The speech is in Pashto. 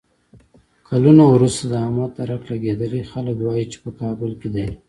کلونه ورسته د احمد درک لګېدلی، خلک وایي چې په کابل کې دی.